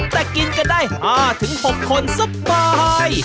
แต่กินกันได้๕๖คนสบาย